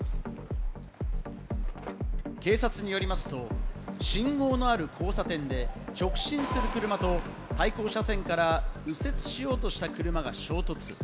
警察によりますと、信号のある交差点で直進する車と対向車線から右折しようとした車が衝突。